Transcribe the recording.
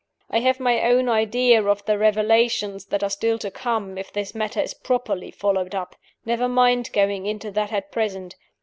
I have my own idea of the revelations that are still to come if this matter is properly followed up. Never mind going into that at present.